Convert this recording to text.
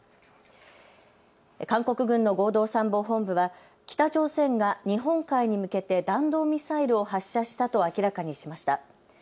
韓国軍の合同参謀本部は北朝鮮が日本海に向けて弾道ミサイルを発射したと明らかにしました。